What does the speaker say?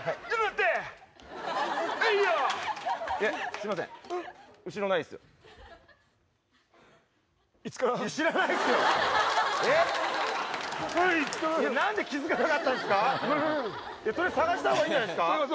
とりあえず探したほうがいいんじゃないですか？